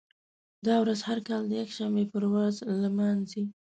دا ورځ هر کال د یکشنبې په ورځ لمانځي.